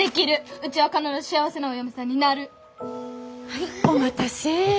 はいお待たせ。